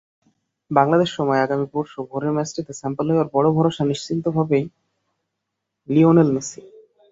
বাংলাদেশ সময় আগামী পরশু ভোরের ম্যাচটিতে সাম্পাওলির বড় ভরসা নিশ্চিতভাবেই লিওনেল মেসি।